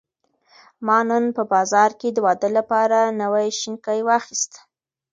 ما نن په بازار کې د واده لپاره نوې شینکۍ واخیستې.